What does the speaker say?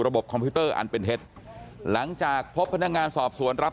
คอมพิวเตอร์อันเป็นเท็จหลังจากพบพนักงานสอบสวนรับ